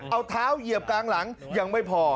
เอาเท้าเหยียบกลางหลังยังไม่พอ